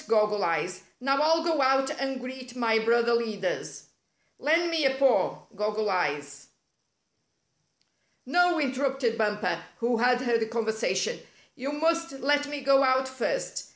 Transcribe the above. Goggle Eyes. Now I'll go out and greet my brother leaders. Lend me a paw. Goggle Eyes." "No," interrupted Bumper, who had heard the conversation. "You must let me go out first.